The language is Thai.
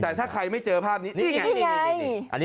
แต่ถ้าใครไม่เจอภาพนี้นี่ไงนี่ไง